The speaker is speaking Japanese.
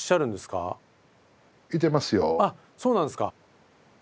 あっそうなんですか。